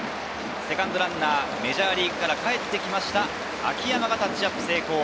セカンドランナー、メジャーリーグから帰ってきた秋山がタッチアップ成功。